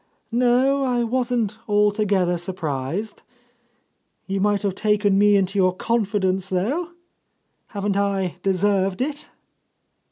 No, I wasn't altogether sur prised. You might have taken me Into your con fidence, though. Haven't I deserved it